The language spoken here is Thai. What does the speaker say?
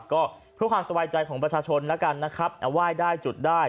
ก็เพื่อความสบายใจของประชาชนแล้วกันนะครับไหว้ได้จุดได้